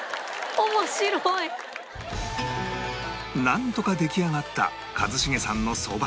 なんとか出来上がった一茂さんのそば